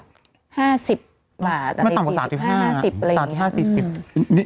ต่างกว่า๓๕๔๐บาท